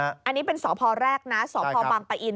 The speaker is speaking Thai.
อันนี้เป็นสพแรกนะสพบังปะอิน